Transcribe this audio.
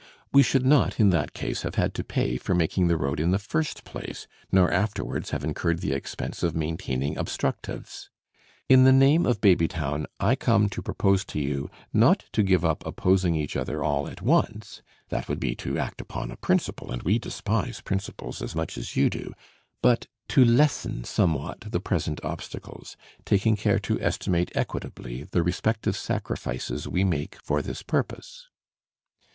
We should not, in that case, have had to pay for making the road in the first place, nor afterwards have incurred the expense of maintaining obstructives. In the name of Babytown, I come to propose to you, not to give up opposing each other all at once, that would be to act upon a principle, and we despise principles as much as you do, but to lessen somewhat the present obstacles, taking care to estimate equitably the respective sacrifices we make for this purpose."